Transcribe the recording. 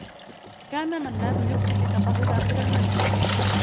كان منّاد يبقي قططه داخل المنزل.